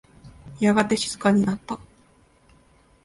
やがて静かになった。